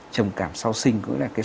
trầm cảm sau sinh